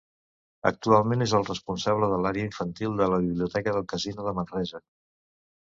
Actualment és el responsable de l'àrea infantil de la Biblioteca del Casino de Manresa.